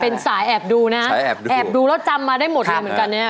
เป็นสายแอบดูนะแอบดูแล้วจำมาได้หมดเลยเหมือนกันเนี่ย